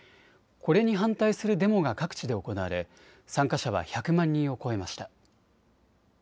これに反対するデモが各地で行われ参加者は１００万人を超えました。